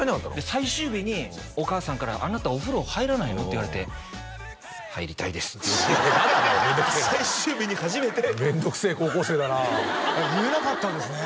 最終日にお母さんから「あなたお風呂入らないの？」って言われて「入りたいです」って言って面倒くせえな最終日に初めて面倒くせえ高校生だな言えなかったんですね